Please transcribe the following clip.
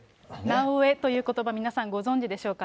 なおエということば、皆さん、ご存じでしょうか。